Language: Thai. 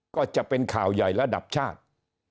ก็จะเป็นข่าวใหญ่ระดับชาติ